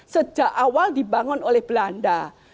sejak awal dibangun oleh belanda